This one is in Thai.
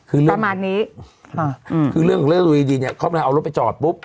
อืมคือประมาณนี้ค่ะอืมคือเรื่องของเล่นวีดีเนี้ยเขามาเอารถไปจอดปุ๊บ